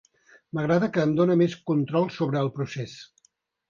M'agrada que em dona més control sobre el procés.